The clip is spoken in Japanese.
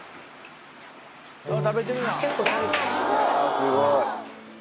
すごい。